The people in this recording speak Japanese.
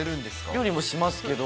料理もしますけど。